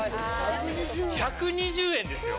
１２０円ですよ。